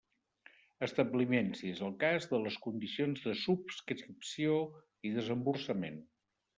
Establiment, si és el cas, de les condicions de subscripció i desemborsament.